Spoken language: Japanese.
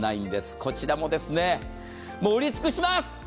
こちらも売り尽くします。